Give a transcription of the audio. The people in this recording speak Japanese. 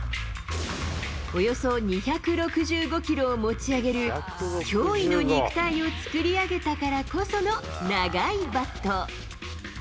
およそ２６５キロを持ち上げる驚異の肉体を作り上げたからこその、長いバット。